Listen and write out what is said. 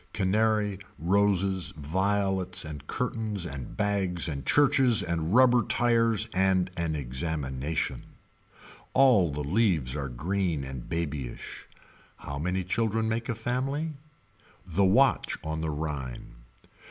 Canary, roses, violets and curtains and bags and churches and rubber tires and an examination. All the leaves are green and babyish. How many children make a family. The Watch on the Rhine.